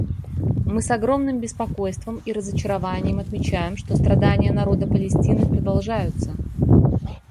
Мы с огромным беспокойством и разочарованием отмечаем, что страдания народа Палестины продолжаются.